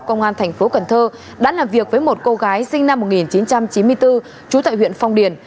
công an tp cn đã làm việc với một cô gái sinh năm một nghìn chín trăm chín mươi bốn trú tại huyện phong điền